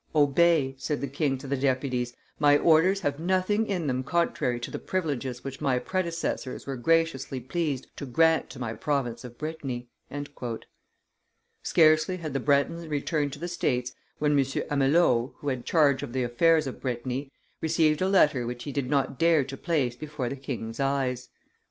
"Obey," said the king to the deputies; "my orders have nothing in them contrary to the privileges which my predecessors were graciously pleased to grant to my province of Brittany." Scarcely had the Bretons returned to the states, when M. Amelot, who had charge of the affairs of Brittany, received a letter which he did not dare to place before the king's eyes.